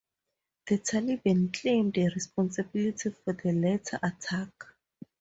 The Taliban claimed responsibility for the latter attack.